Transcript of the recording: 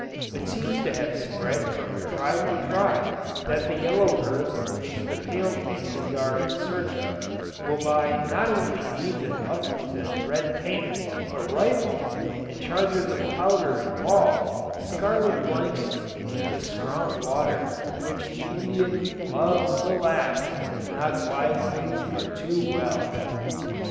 It seems to have spread from tribe to tribe that the yellow earth which the pale faces are in search of will buy not only beads and buttons and red paint, but rifles, and charges of powder and ball, scarlet blankets, and the "strong water," which the Indian "loves, alas! not wisely but too well."